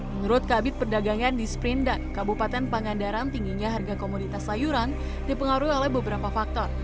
menurut kabit perdagangan di sprindak kabupaten pangandaran tingginya harga komoditas sayuran dipengaruhi oleh beberapa faktor